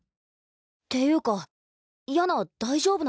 ていうかヤナ大丈夫なの？